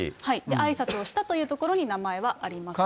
あいさつをしたというところに名前はあります。